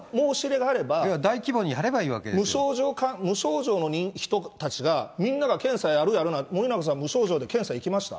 大規模にやればいいわけです無症状の人たちが、みんなが検査やるやる、森永さん、無症状で検査行きました？